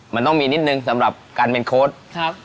มันต้องมีนิดนึงสำหรับการเป็นโค้ดครับ